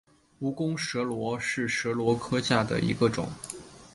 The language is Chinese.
蜈蚣蛇螺为蛇螺科下的一个种。